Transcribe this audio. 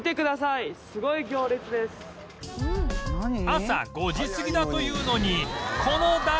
朝５時過ぎだというのにこの１２時半！